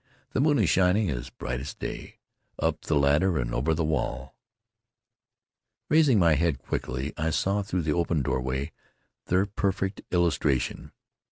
The moon is shining as bright as day. Up the ladder and over the wall — An Adventure in Solitude Raising my head quickly, I saw through the open door way their perfect illustration.